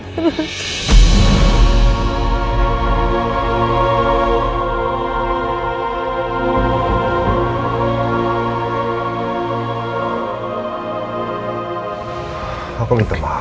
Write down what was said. udah bikin kasar integrate